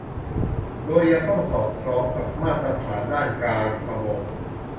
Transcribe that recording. โดยยังต้องสอดคล้องกับมาตรฐานด้านการประมง